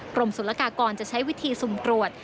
กรมศุลกากรจะใช้วิธีสุ่มตรวจ